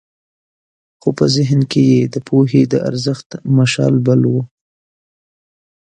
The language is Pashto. خو په ذهن کې یې د پوهې د ارزښت مشال بل و.